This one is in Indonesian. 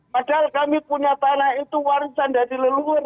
padahal kami punya tanah itu warisan dari leluhur